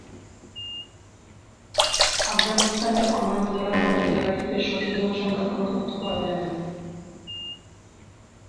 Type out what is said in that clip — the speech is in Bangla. আফগানিস্তানের অন্যান্য জেলার মত জেলাটিতে সঠিক জনসংখ্যার কোন তথ্য পাওয়া যায়নি।